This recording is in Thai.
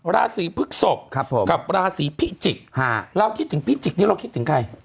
ราศีพฤกษพกับราศีพิจิกเราคิดถึงพิจิกนี้เราคิดถึงใคร